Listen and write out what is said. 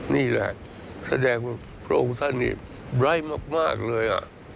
นี่แหละแสดงว่าพระองค์ท่านนี่ไร้มากเลย